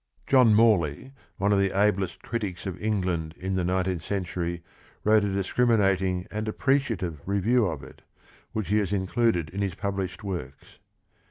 John Morley, one of the ablest critics of England in the nineteenth century, wrote a discriminating 2 THE RING AND THE BOOK and appreciative review of it, which he has in cluded in his published works.